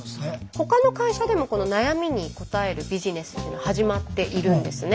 他の会社でもこの悩みに応えるビジネスというのは始まっているんですね。